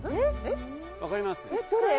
分かります？